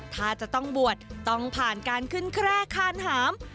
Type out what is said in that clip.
ถ้าจะต้องบวชต้องผ่านการขึ้นแคร่คานหาม